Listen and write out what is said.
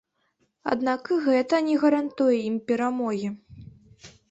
Аднак і гэта не гарантуе ім перамогі.